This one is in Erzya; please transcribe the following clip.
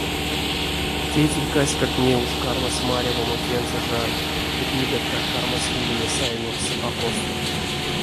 Тейтерькаськак ней уш кармась марявомо тензэ жаль ды книгаткак кармась улеме сайнемс а косто.